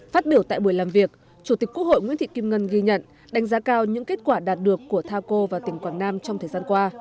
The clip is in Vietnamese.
phát biểu tại buổi làm việc chủ tịch quốc hội nguyễn thị kim ngân ghi nhận đánh giá cao những kết quả đạt được của thao cô và tỉnh quảng nam trong thời gian qua